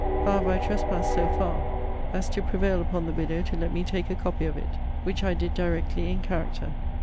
However, I trespassed so far, as to prevail upon the widow to let me take a copy of it; which I did directly in character.